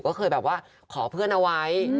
ก็เคยแบบว่าขอเพื่อนเอาไว้